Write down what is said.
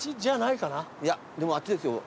いやでもあっちですよ